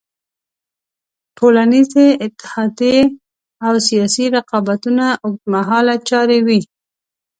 ټولنیزې اتحادیې او سیاسي رقابتونه اوږد مهاله چارې وې.